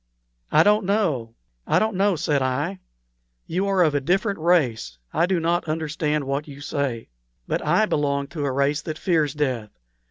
"I don't know I don't know," said I. "You are of a different race; I do not understand what you say. But I belong to a race that fears death.